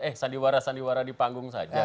eh sandiwara sandiwara di panggung saja